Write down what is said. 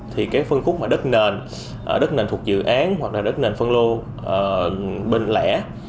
thì cái phân khúc mà đất nền đất nền thuộc dự án hoặc là đất nền phân lô bình lẻ